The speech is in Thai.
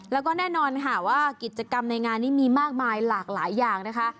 แล้วก็แน่นอนค่ะว่ากิจกรรมในงานนี้มีมากมายหลากหลายอย่างนะคะ